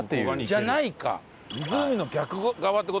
「じゃないか」。